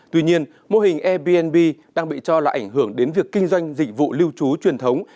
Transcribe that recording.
tuy nhiên mô hình airbnb đang bị cho là ảnh hưởng đến việc kinh doanh dịch vụ lưu trú truyền thống